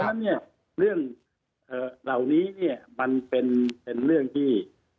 แล้วเรื่องเหล่านี้มันเป็นเรื่องที่